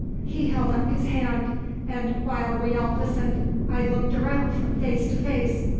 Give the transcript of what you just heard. He held up his hand, and while we all listened I looked around from face to face.